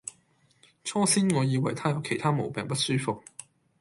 初先我以為她有其他毛病不舒服